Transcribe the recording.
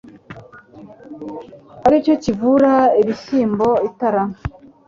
Ari cyo kivura ibishyimbo itara,